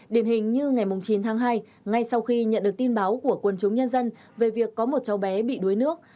điển hình như ngày chín tháng hai ngay sau khi nhận được tin báo của quân chúng nhân dân về việc có một cháu bé bị đuối nước